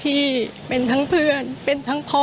ลูกชายวัย๑๘ขวบบวชหน้าไฟให้กับพุ่งชนจนเสียชีวิตแล้วนะครับ